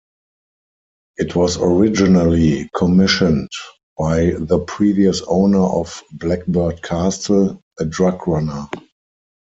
It was originally commissioned by the previous owner of Blackbird Castle, a drug runner.